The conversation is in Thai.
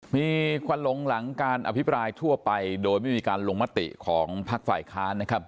มีควันหลงหลังการอภิปรายทั่วไปโดยไม่มีการลงมติของพักฝ่ายค้านนะครับ